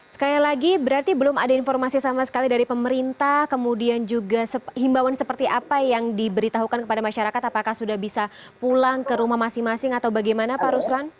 sekali lagi berarti belum ada informasi sama sekali dari pemerintah kemudian juga himbawan seperti apa yang diberitahukan kepada masyarakat apakah sudah bisa pulang ke rumah masing masing atau bagaimana pak ruslan